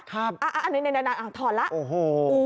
ครับอันนี้ถอดละโอ้โฮ